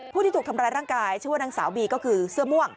ผู้ที่ถูกทำร้ายร่างกายชื่อว่านางสาวบีก็คือเสื้อม่วง